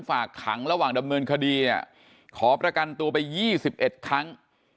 ฝากขังระหว่างดำเนินคดีเนี่ยขอประกันตัวไป๒๑ครั้ง